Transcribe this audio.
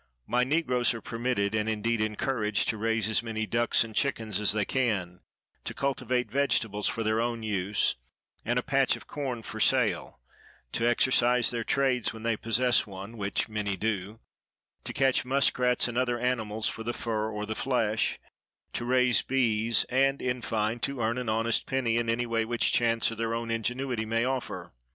My negroes are permitted, and, indeed, encouraged, to raise as many ducks and chickens as they can; to cultivate vegetables for their own use, and a patch of corn for sale; to exercise their trades, when they possess one, which many do; to catch muskrats and other animals for the fur or the flesh; to raise bees, and, in fine, to earn an honest penny in any way which chance or their own ingenuity may offer.